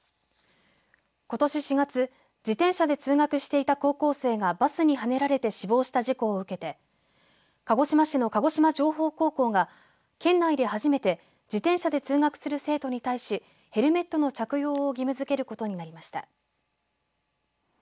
ことし４月自転車で通学していた高校生がバスにはねられて死亡した事故を受けて鹿児島市の鹿児島情報高校が県内で初めて自転車で通学する生徒に対しヘルメットの着用を義務づけることになりました。